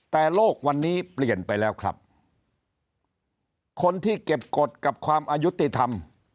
แต่โลกวันนี้เปลี่ยนไปแล้วครับคนที่เก็บกฎกับความอายุติธรรม